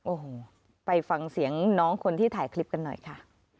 โอ้โหไปฟังเสียงน้องคนที่ถ่ายคลิปกันหน่อยค่ะ